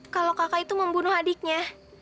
kalau kakak itu membunuh adiknya